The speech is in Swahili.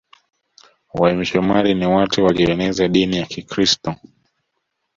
Wamisionari ni watu walioeneza dini ya kikiristo